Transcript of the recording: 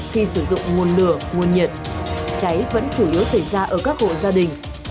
khi xảy ra một vụ cháy